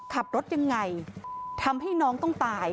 ขับรถยังไงทำให้น้องต้องตาย